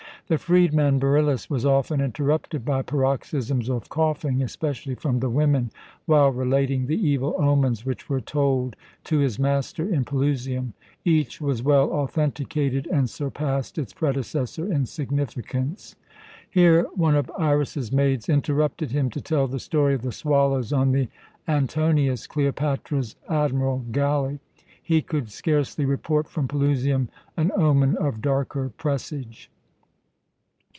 The freedman, Beryllus, was often interrupted by paroxysms of coughing, especially from the women, while relating the evil omens which were told to his master in Pelusium. Each was well authenticated and surpassed its predecessor in significance. Here one of Iras's maids interrupted him to tell the story of the swallows on the "Antonius," Cleopatra's admiral galley. He could scarcely report from Pelusium an omen of darker presage.